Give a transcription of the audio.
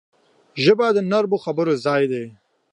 ژبه د نرمو خبرو ځای ده